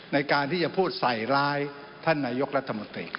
ในการที่จะพูดใส่ร้ายท่านนายกรัฐมนตรี